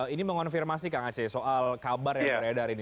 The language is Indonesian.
ini mengonfirmasi kang aceh soal kabar yang beredar ini